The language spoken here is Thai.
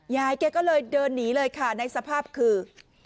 ยายแกก็เลยเดินหนีเลยค่ะในสภาพคือ